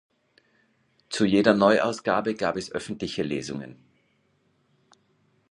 Zu jeder Neuausgabe gab es öffentliche Lesungen.